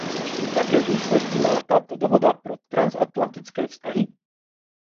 Jaké důsledky má tato dohoda pro transatlantické vztahy?